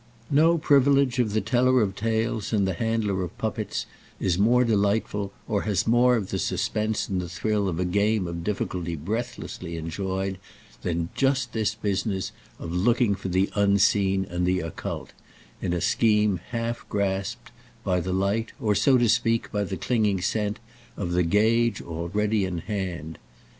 No privilege of the teller of tales and the handler of puppets is more delightful, or has more of the suspense and the thrill of a game of difficulty breathlessly played, than just this business of looking for the unseen and the occult, in a scheme half grasped, by the light or, so to speak, by the clinging scent, of the gage already in hand.